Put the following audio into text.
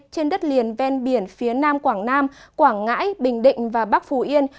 trên đất liền ven biển phía nam quảng nam quảng ngãi bình định và bắc phù yên